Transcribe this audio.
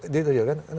ya gitu juga